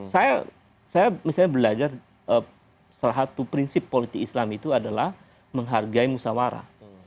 saya misalnya belajar salah satu prinsip politik islam itu adalah menghargai musawarah